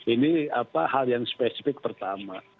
ini hal yang spesifik pertama